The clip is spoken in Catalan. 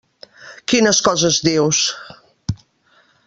Quines coses dius!